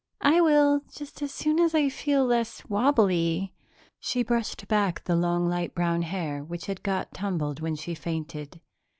"I will, just as soon as I feel less wobbly." She brushed back the long, light brown hair which had got tumbled when she fainted.